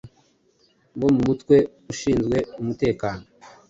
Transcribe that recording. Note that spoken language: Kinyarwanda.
bo mu mutwe ushinzwe umutekano